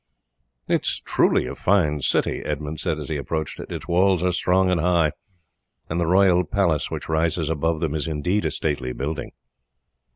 "It is truly a fine city," Edmund said as he approached it; "its walls are strong and high, and the royal palace, which rises above them, is indeed a stately building."